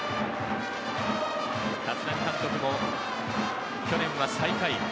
立浪監督も去年は最下位。